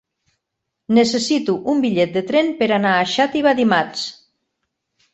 Necessito un bitllet de tren per anar a Xàtiva dimarts.